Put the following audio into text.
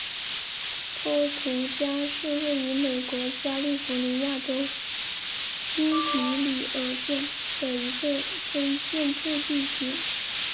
托图加是位于美国加利福尼亚州因皮里尔县的一个非建制地区。